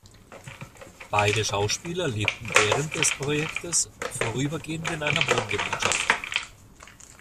Beide Schauspieler lebten während des Projektes vorübergehend in einer Wohngemeinschaft.